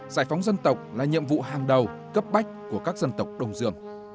giải phóng dân tộc là nhiệm vụ hàng đầu cấp bách của các dân tộc đông dương